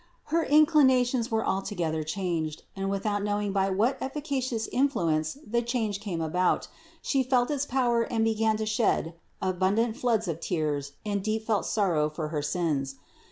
Her inclinations were altogether changed, and without know ing by what efficacious influence the change came about, she felt its power and began to shed abundant floods of tears in deepfelt sorrow for her sins.